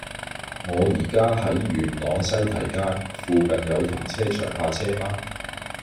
我依家喺元朗西堤街，附近有停車場泊車嗎